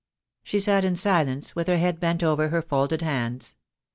She sat in silence, with her head bent over her folded hands.